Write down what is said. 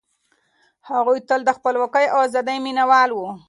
هغوی تل د خپلواکۍ او ازادۍ مينه وال وو.